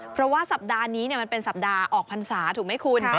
เพราะว่าสัปดาห์นี้มันเป็นสัปดาห์ออกพรรษาถูกไหมคุณ